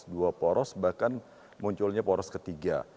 dua poros bahkan munculnya poros ketiga